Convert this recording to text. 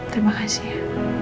terima kasih ya